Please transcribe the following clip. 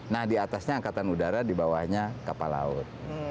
nah diatasnya angkatan udara dibawahnya kapal laut